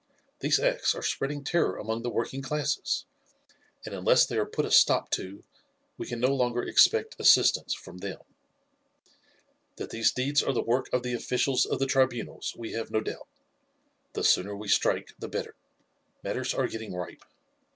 These acts are spreading terror among the working classes, and unless they are put a stop to we can no longer expect assistance from them. "That these deeds are the work of the officials of the tribunals we have no doubt. The sooner we strike the better. Matters are getting ripe.